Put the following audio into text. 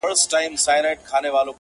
د لېوه له خولې به ولاړ سمه قصاب ته!!